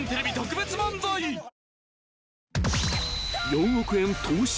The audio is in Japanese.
［４億円投資